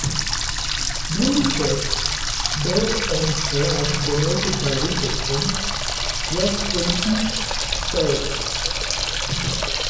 Bierley Church, built on land donated by Richardson, was in East Bowling.